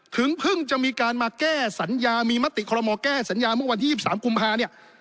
ถึงเพิ่งจะมีการมาแก้สัญญามีมติคอลโมแก้สัญญาเมื่อวันที่๒๓กุมภาเนี่ย